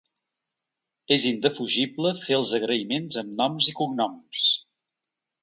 És indefugible fer els agraïments amb noms i cognoms.